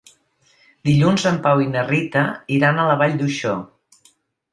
Dilluns en Pau i na Rita iran a la Vall d'Uixó.